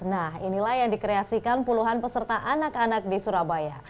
nah inilah yang dikreasikan puluhan peserta anak anak di surabaya